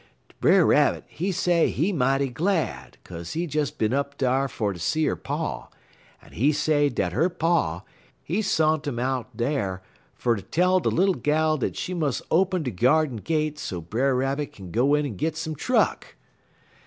Brer Rabbit, he say he mighty glad, kaze he des bin up dar fer to see 'er pa, en he say dat 'er pa, he sont 'im out dar fer ter tell de Little Gal dat she mus' open de gyardin gate so Brer Rabbit kin go in en git some truck.